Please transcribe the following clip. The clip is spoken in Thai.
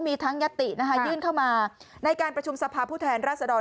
มีทั้งยัตตินะคะยื่นเข้ามาในการประชุมสภาพผู้แทนราษฎร